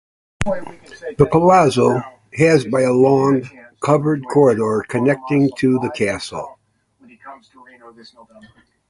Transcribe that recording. The palazzo has by a long, covered corridor connecting to the castle.